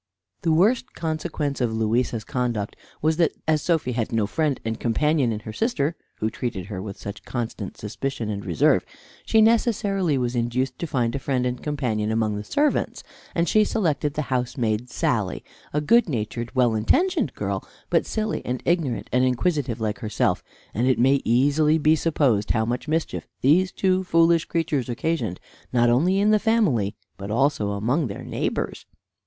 The worst consequence of Louisa's conduct was that as Sophy had no friend and companion in her sister, who treated her with such constant suspicion and reserve, she necessarily was induced to find a friend and companion among the servants, and she selected the housemaid Sally, a good natured, well intentioned girl, but silly and ignorant and inquisitive like herself, and it may be easily supposed how much mischief these two foolish creatures occasioned, not only in the family, but also among their neighbors.